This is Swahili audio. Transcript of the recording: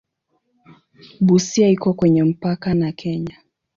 Busia iko kwenye mpaka na Kenya.